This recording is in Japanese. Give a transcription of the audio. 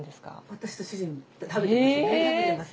私と主人食べてます。